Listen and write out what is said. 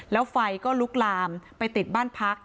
แล้วไฟก็ลุกลามไปติดบ้านพัก